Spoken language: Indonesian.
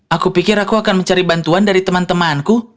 aku pikir aku akan mencari bantuan dari teman temanku